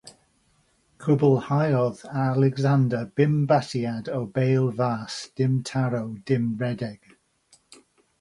Cwblhaodd Alexander bum batiad o bêl fas dim-taro dim-rhedeg.